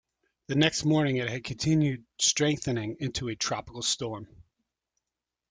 The next morning it had continued strengthening into a tropical storm.